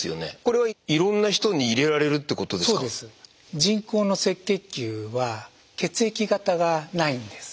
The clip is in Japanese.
人工の赤血球は血液型がないんです。